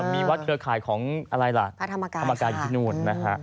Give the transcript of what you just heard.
มีวัดเครือข่ายของพระธรรมกาลอยู่ที่นู่น